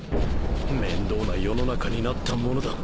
面倒な世の中になったものだ。